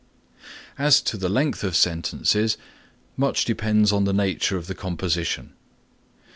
As to the length of sentences much depends on the nature of the composition.